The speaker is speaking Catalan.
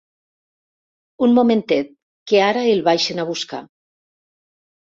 Un momentet que ara el baixen a buscar.